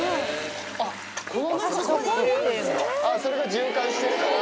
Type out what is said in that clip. それが循環してるから。